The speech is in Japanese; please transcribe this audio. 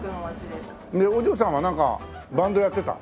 でお嬢さんはなんかバンドやってた？